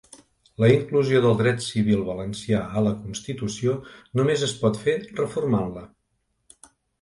La inclusió del dret civil valencià a la constitució només es pot fer reformant-la